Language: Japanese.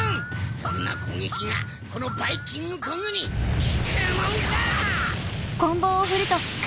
そんなこうげきがこのバイキングコングにきくもんか！